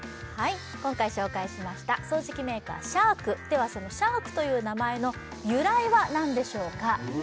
今回紹介しました掃除機メーカーＳｈａｒｋではそのＳｈａｒｋという名前の由来は何でしょうか？